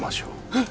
えっ！？